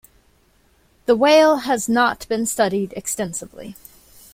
The whale has not been studied extensively.